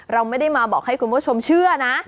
เราไม่ได้มาบอกให้คุณผู้ชมเชื่อนะ